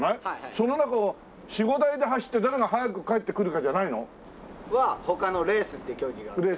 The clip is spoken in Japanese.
その中を４５台で走って誰が早く帰ってくるかじゃないの？は他のレースって競技があって。